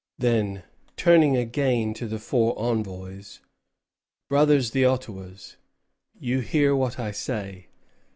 Then, turning again to the four envoys: "Brothers the Ottawas, you hear what I say.